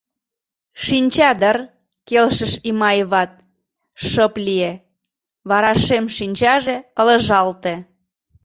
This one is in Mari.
— Шинча дыр, — келшыш Имаеват, шып лие, вара шем шинчаже ылыжалте.